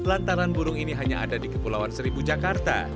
lantaran burung ini hanya ada di kepulauan seribu jakarta